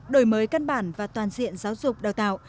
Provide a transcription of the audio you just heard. đổi mới căn bản và toàn diện giáo dục đào tạo